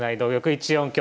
１四香。